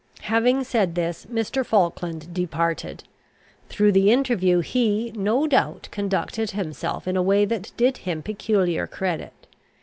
Having said this, Mr. Falkland departed. Through the interview he, no doubt, conducted himself in a way that did him peculiar credit.